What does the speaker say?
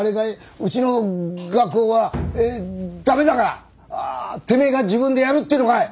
うちの画工は駄目だからてめえが自分でやるっていうのかい！？